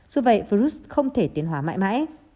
dù vậy virus không thể tiến hóa mãi mãi